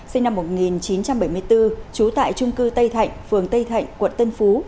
sinh năm một nghìn chín trăm bảy mươi bốn trú tại trung cư tây thạnh phường tây thạnh quận tân phú